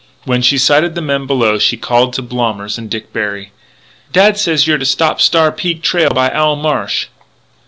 When she sighted the men below she called to Blommers and Dick Berry: "Dad says you're to stop Star Peak trail by Owl Marsh."